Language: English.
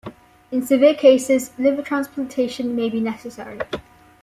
In severe cases, liver transplantation may be necessary.